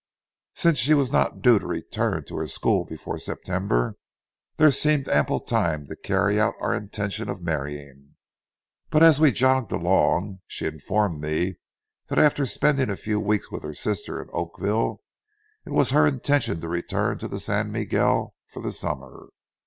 Since she was not due to return to her school before September, there seemed ample time to carry out our intentions of marrying. But as we jogged along, she informed me that after spending a few weeks with her sister in Oakville, it was her intention to return to the San Miguel for the summer.